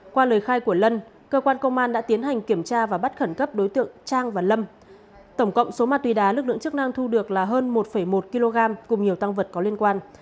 qua lời khai của lân cơ quan công an đã tiến hành kiểm tra và bắt khẩn cấp đối tượng trang và lâm tổng cộng số ma túy đá lực lượng chức năng thu được là hơn một một kg cùng nhiều tăng vật có liên quan